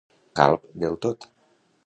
Calb del tot.